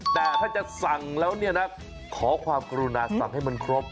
แต่ถ้าจะสั่งแล้วเนี่ยนะขอความกรุณาสั่งให้มันครบ